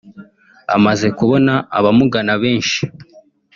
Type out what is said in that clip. amaze kubona abamugana benshi